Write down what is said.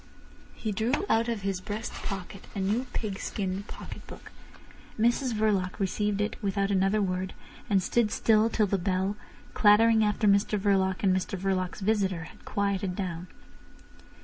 He drew out of his breast pocket a new pigskin pocket book. Mrs Verloc received it without another word, and stood still till the bell, clattering after Mr Verloc and Mr Verloc's visitor, had quieted down.